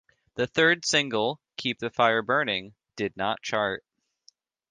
The third single "Keep The Fire Burning" did not chart.